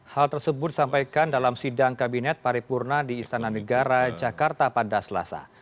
hal tersebut sampaikan dalam sidang kabinet paripurna di istana negara jakarta padaslasa